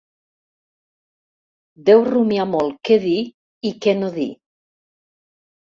Deu rumiar molt què dir i què no dir.